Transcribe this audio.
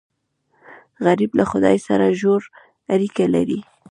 غریب له خدای سره ژور اړیکه لري